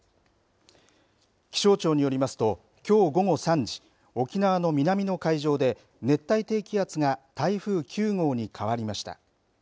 気象庁によりますときょう午後３時沖縄の南の海上で熱帯低気圧が台風９号に変わりました。